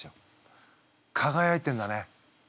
輝いてんだね。